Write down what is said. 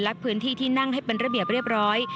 และพื้นที่ที่นั่งให้เป็นระเบียบเรียบร้อย